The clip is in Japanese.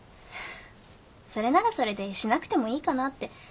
それならそれでしなくてもいいかなって。